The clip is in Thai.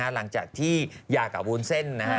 หลังจากที่ยากกับวูนเซ่น